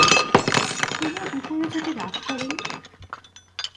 তোমার উপরে যদি রাগ করেন?